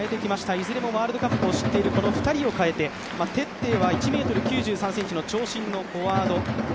いずれもワールドカップを知っている２人を代えてテッテーは１ｍ９ｃｍの長身のフォワード。